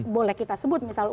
boleh kita sebut misalnya